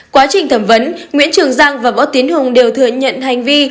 quá trình thẩm vấn nguyễn trường giang và võ tiến hùng đều thừa nhận hành vi